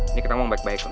ini kita mau ngebaik baikin